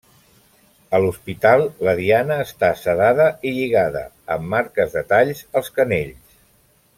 A l’hospital, la Diana està sedada i lligada, amb marques de talls als canells.